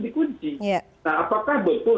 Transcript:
dikunci nah apakah betul